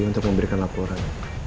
untuk memberikan laporan